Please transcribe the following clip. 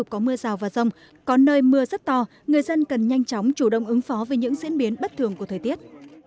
còn nơi mưa rất to người dân cần nhanh chóng chủ động ứng phó với những diễn biến bất thường của thời tiết